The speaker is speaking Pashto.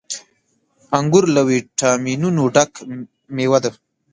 • انګور له ويټامينونو ډک مېوه ده.